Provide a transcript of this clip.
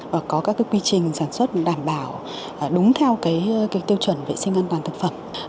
và có các quy trình sản xuất đảm bảo đúng theo tiêu chuẩn vệ sinh an toàn thực phẩm